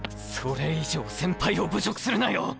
それ以上先輩を侮辱するなよ。